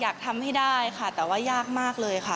อยากทำให้ได้ค่ะแต่ว่ายากมากเลยค่ะ